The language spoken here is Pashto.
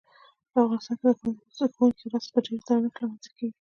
په افغانستان کې د ښوونکي ورځ په ډیر درنښت لمانځل کیږي.